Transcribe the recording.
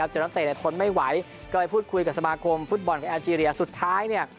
จนตั้งแต่ทนไม่ไหวก็ไปพูดคุยกับสมาคมฟุตบอลกับแอลเจรียสุดท้าย